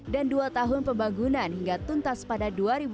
dan dua tahun pembangunan hingga tuntas pada dua ribu dua puluh